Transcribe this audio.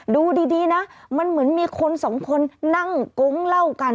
ดูดีนะมันเหมือนมีคนสองคนนั่งโก๊งเล่ากัน